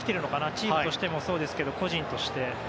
チームとしてもそうですが個人として。